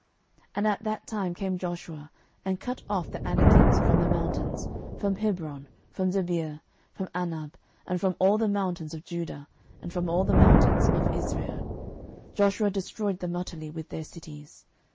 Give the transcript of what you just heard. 06:011:021 And at that time came Joshua, and cut off the Anakims from the mountains, from Hebron, from Debir, from Anab, and from all the mountains of Judah, and from all the mountains of Israel: Joshua destroyed them utterly with their cities.